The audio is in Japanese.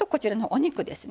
お肉です。